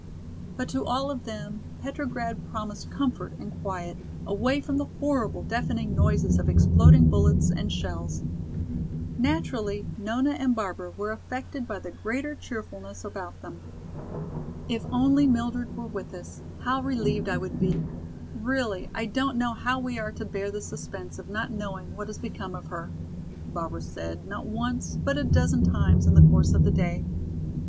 But to all of them Petrograd promised comfort and quiet, away from the horrible, deafening noises of exploding bullets and shells. Naturally Nona and Barbara were affected by the greater cheerfulness about them. "If only Mildred were with us, how relieved I would be. Really, I don't know how we are to bear the suspense of not knowing what has become of her," Barbara said not once, but a dozen times in the course of the day.